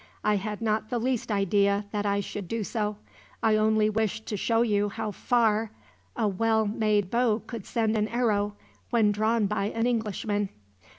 I had not the least idea that I should do so. I only wished to show you how far a well made bow would send an arrow, when drawn by an Englishman."